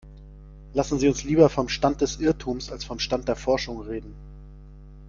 Lassen Sie uns lieber vom Stand des Irrtums als vom Stand der Forschung reden.